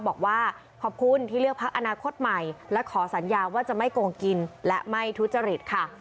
บอกว่าขอบคุณที่เลือกพักอนาคตใหม่และขอสัญญาว่าจะไม่โกงกินและไม่ทุจริตค่ะ